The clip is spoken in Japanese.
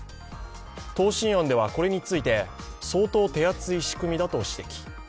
答申案ではこれについて、相当手厚い仕組みだと指摘。